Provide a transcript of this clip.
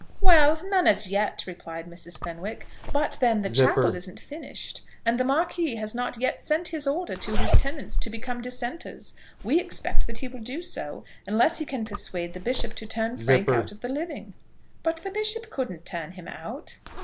"Well; none as yet," replied Mrs. Fenwick. "But then the chapel isn't finished; and the Marquis has not yet sent his order to his tenants to become dissenters. We expect that he will do so, unless he can persuade the bishop to turn Frank out of the living." "But the bishop couldn't turn him out."